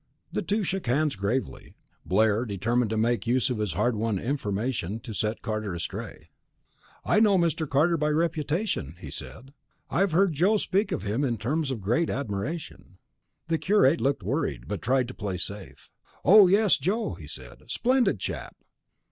The two shook hands gravely. Blair determined to make use of his hard won information to set Carter astray. "I know Mr. Carter by reputation," he said. "I have heard Joe speak of him in terms of great admiration." The curate looked worried, but tried to play safe. "Oh, yes, Joe!" he said. "Splendid chap."